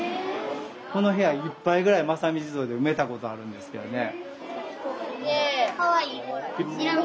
この部屋いっぱいぐらい「正己地蔵」で埋めたことあるんですけどね。